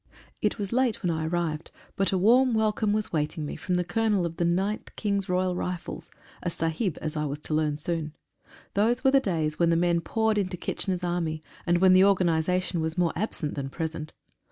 It was late when I arrived, but a warm welcome was waiting me from the Colonel of the Ninth King's Royal Rifles — a Sahib, as I was to learn soon. Those were the days when the men poured into Kitchener's Army, and when the orga nisation was more absent than present.